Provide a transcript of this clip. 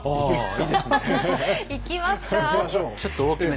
行きますか。